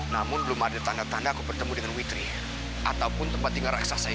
namun belum ada tanda tanda aku bertemu dengan witri ataupun tempat tinggal raksasai